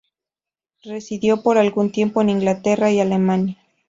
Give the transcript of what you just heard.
Residió por algún tiempo en Inglaterra y Alemania.